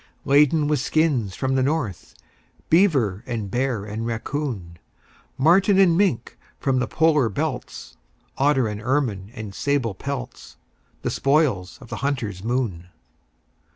Laden with skins from the north, Beaver and bear and raccoon, Marten and mink from the polar belts, Otter and ermine and sable pelts The spoils of the hunter's moon.